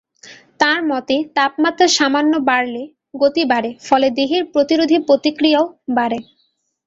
তাঁর মতে, তাপমাত্রা সামান্য বাড়লে গতি বাড়ে, ফলে দেহের প্রতিরোধী প্রতিক্রিয়াও বাড়ে।